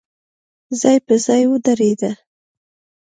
ځای په ځای ودرېد.